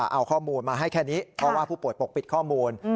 เอาข้อมูลมาให้แค่นี้เพราะว่าผู้ป่วยปกปิดข้อมูล